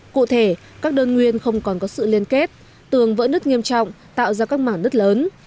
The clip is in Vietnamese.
cụ thể các đơn nguyên không còn có sự liên kết tường vỡ nứt nghiêm trọng tạo ra các mảng nứt lớn